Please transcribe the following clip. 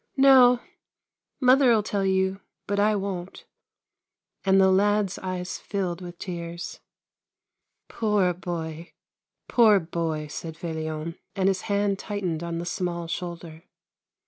" No. Mother'll tell you, but I won't ;" and the lad's eyes filled with tears. " Poor boy ! poor boy !" said Felion, and his hand tightened on the small shoulder.